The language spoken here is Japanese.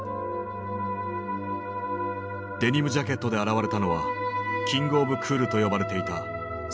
デニムジャケットで現れたのはキング・オブ・クールと呼ばれていたスティーブ・マックイーン。